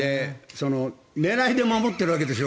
ＡＩで守っているわけですよ